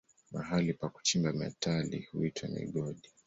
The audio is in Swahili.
Mahali pa kuchimba metali huitwa migodi.